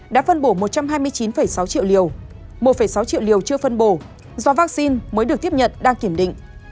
đã phân bổ một trăm hai mươi chín sáu triệu liều một sáu triệu liều chưa phân bổ do vaccine mới được tiếp nhận đang kiểm định